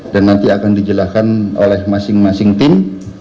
dan nanti akan dijelaskan oleh masing masing tim